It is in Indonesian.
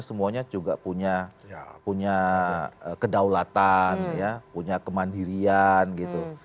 semuanya juga punya punya kedaulatan punya kemandirian gitu